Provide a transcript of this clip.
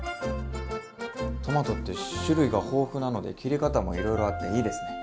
トマトって種類が豊富なので切り方もいろいろあっていいですね。